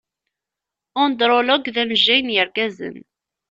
Undrulog d amejjay n yergazen.